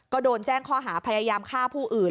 ก็โดนแจ้งข้อหาพยายามฆ่าผู้อื่น